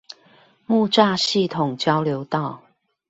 木柵系統交流道